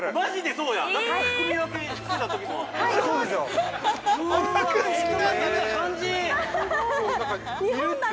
◆そうですよ。